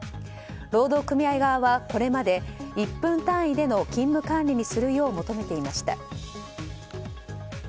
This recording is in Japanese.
労働組合側はこれまで１分単位での勤務管理にするよう求めていました。